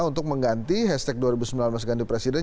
untuk mengganti hashtag dua ribu sembilan belas ganti presiden